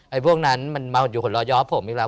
พวกนั้นมันมาอยู่หัวรอย้อผมอีกแล้ว